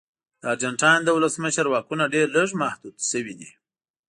د ارجنټاین د ولسمشر واکونه ډېر لږ محدود شوي دي.